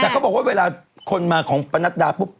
แต่เขาบอกว่าเวลาคนมาของปนัดดาปุ๊บ